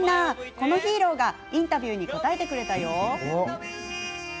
このヒーローがインタビューに答えてくれたよ！